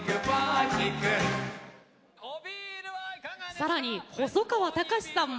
更に細川たかしさんも。